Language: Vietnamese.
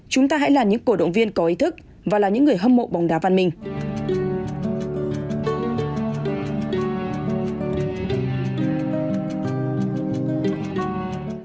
chúng ta hãy là những cổ động viên có ý thức và là những người hâm mộ bóng đá văn minh